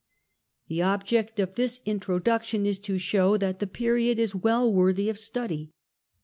The object of this introduction is to show that the period is well worthy of study.